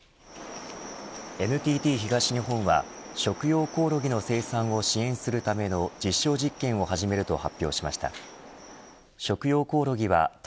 ＮＴＴ東日本は食用コオロギの生産を支援するための実証実験を始めると発表しました。